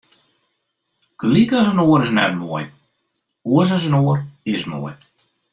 Gelyk as in oar is net moai, oars as in oar is moai.